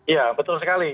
iya betul sekali